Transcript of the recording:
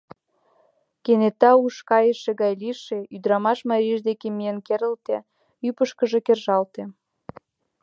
Кенета уш кайыше гай лийше ӱдырамаш марийже дек миен керылте, ӱпышкыжӧ кержалте.